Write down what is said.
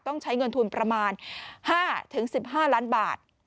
ต้องใช้เงินทุนประมาณห้าถึงสิบห้าล้านบาท